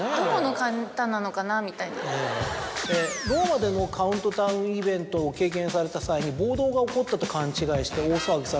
ローマでのカウントダウンイベントを経験された際に暴動が起こったと勘違いして大騒ぎされた。